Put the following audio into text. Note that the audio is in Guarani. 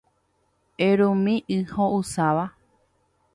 Erumi y ho’ysãva.